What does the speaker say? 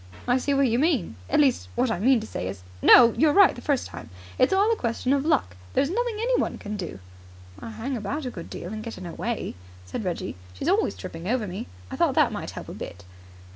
I see what you mean. At least, what I mean to say is " "No. You were right the first time. It's all a question of luck. There's nothing anyone can do." "I hang about a good deal and get in her way," said Reggie. "She's always tripping over me. I thought that might help a bit."